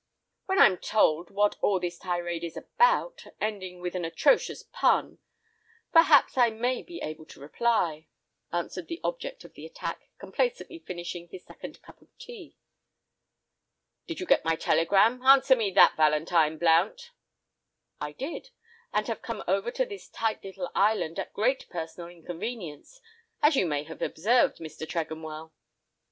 "When I'm told what all this tirade is about, ending with an atrocious pun, perhaps I may be able to reply," answered the object of the attack, complacently finishing his second cup of tea. "Did you get my telegram? Answer me that, Valentine Blount." "I did, and have come over to this tight little island at great personal inconvenience, as you may have observed, Mr. Tregonwell!"